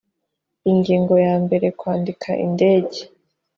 ingingo ya mbere kwandika indege